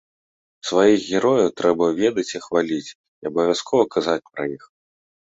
Сваіх герояў трэба ведаць і хваліць, і абавязкова казаць пра іх.